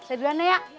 saya duluan aja ya